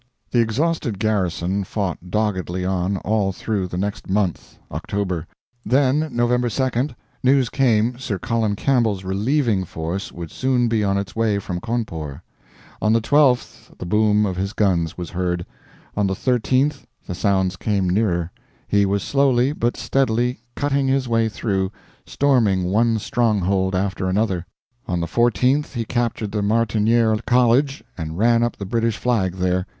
The exhausted garrison fought doggedly on all through the next month October. Then, November 2d, news came Sir Colin Campbell's relieving force would soon be on its way from Cawnpore. On the 12th the boom of his guns was heard. On the 13th the sounds came nearer he was slowly, but steadily, cutting his way through, storming one stronghold after another. On the 14th he captured the Martiniere College, and ran up the British flag there.